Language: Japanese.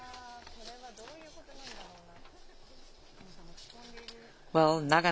これはどういうことなんだろうな。